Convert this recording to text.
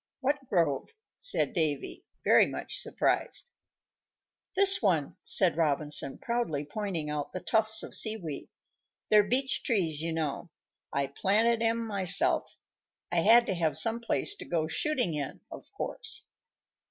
"What grove?" said Davy, very much surprised. "This one," said Robinson, proudly pointing out the tufts of sea weed. "They're beach trees, you know; I planted 'em myself. I had to have some place to go shooting in, of course."